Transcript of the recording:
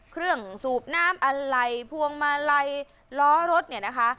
สูบน้ำอะไรพวงมาลัยล้อรถเนี่ยนะคะ